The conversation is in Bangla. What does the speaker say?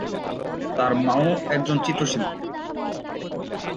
তার মা-ও একজন চিত্রশিল্পী।